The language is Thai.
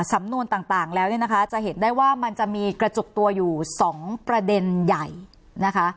สำนวนต่างแล้วเนี่ยนะคะจะเห็นได้ว่ามันจะมีกระจุกตัวอยู่๒ประเด็นใหญ่นะคะ